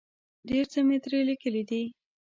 ډېر څه مې ترې لیکلي دي.